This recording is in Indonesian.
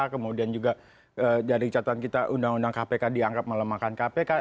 kemudian juga dari catatan kita undang undang kpk dianggap melemahkan kpk